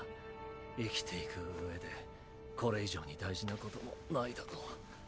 生きていくうえでこれ以上に大事なこともないだろう。